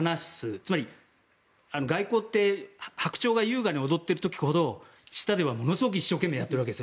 つまり、外交ってハクチョウが優雅に踊っている時ほど下ではものすごく一生懸命やっているわけです。